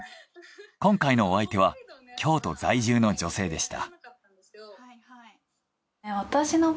今回のお相手は京都在住の女性でした。